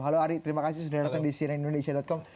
halo ari terima kasih sudah datang di cnnindonesia com